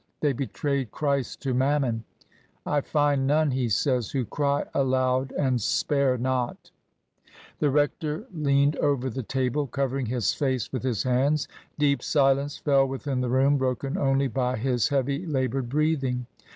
They betrayed Christ to Mammon !* I find none/ he says, * who cry aloud and spare not !'" The rector leaned over the table, covering his face with his hands. Deep silence fell within the room, broken only by his heavy, laboured breathing.